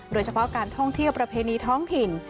โดยเฉพาะการท่องเที่ยวประเพณีท้องถิ่น